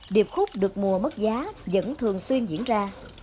điệp khúc được mua mất giá vẫn thường xuyên diễn ra